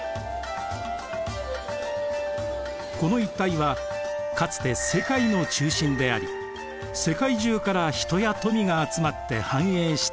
この一帯はかつて世界の中心であり世界中から人や富が集まって繁栄した都でした。